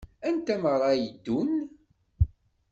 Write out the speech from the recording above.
Anta meṛṛa ara yeddun?